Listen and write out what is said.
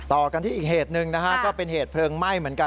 ต่อกันที่อีกเหตุหนึ่งนะฮะก็เป็นเหตุเพลิงไหม้เหมือนกัน